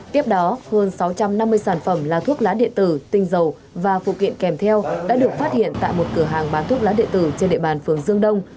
tiếp đó hơn sáu trăm năm mươi sản phẩm là thuốc lá điện tử tinh dầu và phụ kiện kèm theo đã được phát hiện tại một cửa hàng bán thuốc lá địa tử trên địa bàn phường dương đông